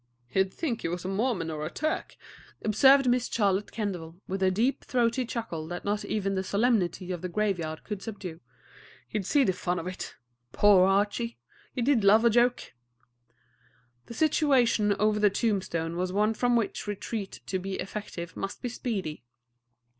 "He'd think he was a Mormon or a Turk," observed Miss Charlotte Kendall, with her deep, throaty chuckle that not even the solemnity of the graveyard could subdue. "He'd see the fun of it. Poor Archie! He did love a joke." The situation over the tombstone was one from which retreat to be effective must be speedy.